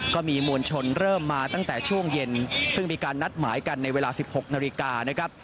ก็มีมวลชนเริ่มมาตั้งแต่ช่วงเย็นซึ่งมีการนัดหมายกันในเวลา๑๖นาฬิกานะครับ